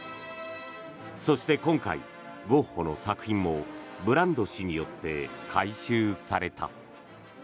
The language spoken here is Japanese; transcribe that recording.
そして今回、ゴッホの作品もブランド氏によって回収された。